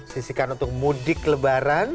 sisikan untuk mudik lebaran